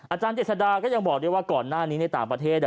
อาจารย์เจษดาก็ยังบอกด้วยว่าก่อนหน้านี้ในต่างประเทศ